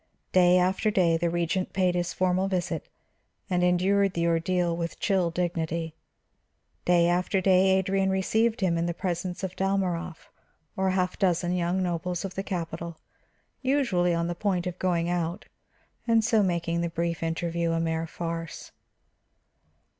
Day after day the Regent paid his formal visit and endured the ordeal with chill dignity. Day after day Adrian received him in the presence of Dalmorov or half a dozen young nobles of the capital; usually on the point of going out, and so making the brief interview a mere farce.